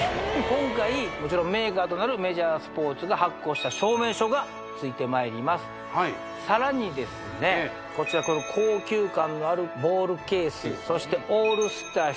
今回メーカーとなるメジャースポーツが発行した証明書がついてまいります高級感のあるボールケースそしてオールスター